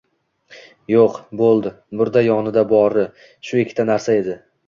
Yo‘q, bo‘ldi, murda yonida bori – shu ikkita narsa edi.